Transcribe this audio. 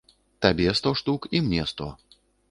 Табе сто штук і мне сто.